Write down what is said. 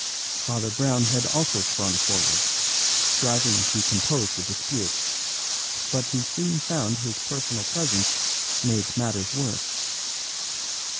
Father Brown had also sprung forward, striving to compose the dispute; but he soon found his personal presence made matters worse.